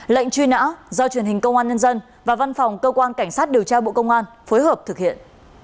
lệnh truy nã do truyền hình công an nhân dân và văn phòng cơ quan cảnh sát điều tra bộ công an phối hợp thực hiện